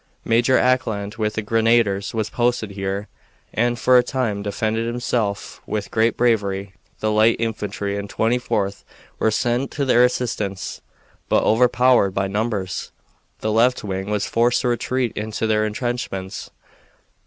Major Ackland, with the grenadiers, was posted here, and for a time defended himself with great bravery. The light infantry and Twenty fourth were sent to their assistance, but, overpowered by numbers, the left wing was forced to retreat into their intrenchments.